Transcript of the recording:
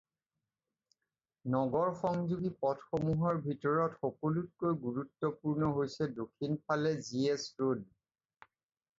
নগৰ সংযোগী পথসমূহৰ ভিতৰত সকলোতকৈ গুৰুত্বপূৰ্ণ হৈছে দক্ষিণৰফালে জি.এছ. ৰোড।